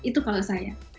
itu kalau saya